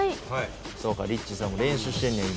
そうかリッチーさんも練習してんねん今。